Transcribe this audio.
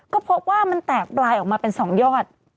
ก็พบว่ามันแตกปลายออกมาเป็น๒ยอด